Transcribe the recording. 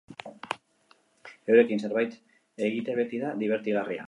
Eurekin zerbait egite beti da dibertigarria.